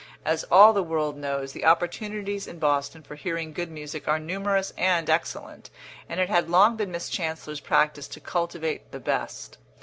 As all the world knows, the opportunities in Boston for hearing good music are numerous and excellent, and it had long been Miss Chancellor's practice to cultivate the best.